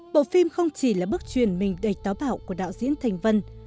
bộ phim không chỉ là bước truyền mình đầy táo bạo của đạo diễn thành vân